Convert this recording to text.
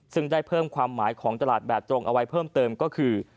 ซึ่งได้เพิ่มความหมายของตลาดแบบตรงเอาไว้เพิ่มเติมก็คือ